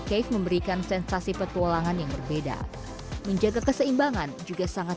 cave memberikan sensasi petualangan yang berbeda menjaga keseimbangan juga sangat